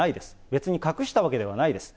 別に隠したわけではないです。